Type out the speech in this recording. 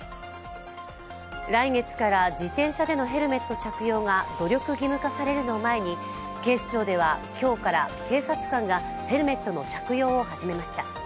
来月から自転車でのヘルメット着用が努力義務化されるのを前に警視庁では今日から警察官がヘルメットの着用を始めました。